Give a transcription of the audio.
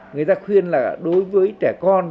người ta khuyên là đối với trẻ con